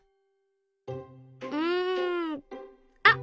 うん。あっ！